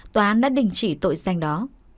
tòa án đã đình chỉ tội danh đó